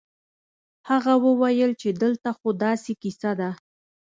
هغه وويل چې دلته خو داسې کيسه ده.